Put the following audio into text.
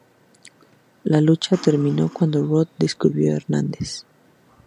La lucha terminó cuando Roode cubrió a Hernández.